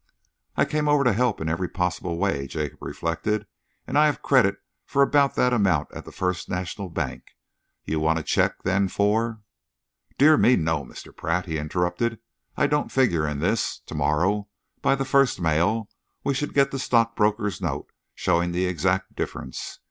"I came over to help in every possible way," Jacob reflected, "and I have credit for about that amount at the First National Bank. You want a cheque, then, for " "Dear me, no, Mr. Pratt!" the other interrupted. "I don't figure in this. To morrow, by the first mail, we shall get the stockbroker's note showing the exact difference.